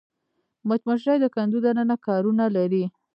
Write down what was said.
مچمچۍ د کندو دننه کارونه لري